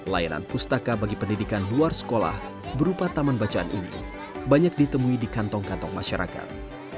layanan pustaka bagi pendidikan luar sekolah berupa taman bacaan ini banyak ditemui di kantong kantong masyarakat